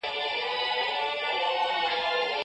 که زده کوونکی ستړی وي نو انتباه یې کمیږي.